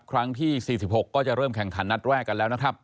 ครั้งที่๔๖ก็จะเริ่มแข่งขันนัดแรกกันแล้วนะครับ